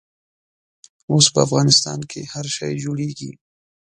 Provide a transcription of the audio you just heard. اوس په افغانستان کښې هر شی جوړېږي.